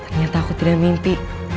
ternyata aku tidak mimpi